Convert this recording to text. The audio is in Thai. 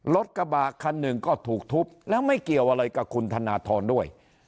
รถกระบะคันหนึ่งก็ถูกทุบแล้วไม่เกี่ยวอะไรกับคุณธนทรด้วย